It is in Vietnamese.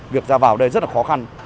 việc ra vào đây rất là khó khăn